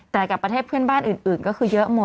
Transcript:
แต่กับประเทศเพื่อนบ้านอื่นก็คือเยอะหมด